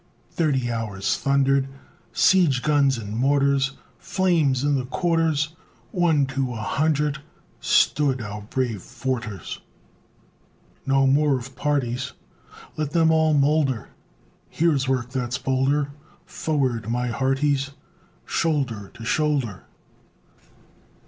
Thirty hours thundered Siege guns and mortars (Flames in the quarters!) One to a hundred Stood our brave Forters! No more of parties! Let them all moulder Here's work that's bolder! Forward, my hearties! Shoulder to shoulder.